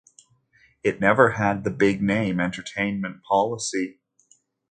It never had the big name entertainment policy.